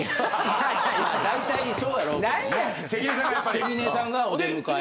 関根さんがお出迎え。